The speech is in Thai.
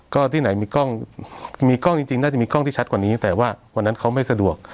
ก็ที่ไหนมีกล้องมีกล้องจริงน่าจะมีกล้องที่ชัดกว่านี้แต่ว่าวันนั้นเขาไม่สะดวก